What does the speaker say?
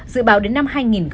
dự báo đến năm hai nghìn hai mươi